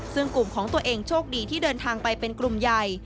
ซึ่งกลุ่มของตัวเองโชคดีที่เดินทางไปเป็นกลุ่มใหญ่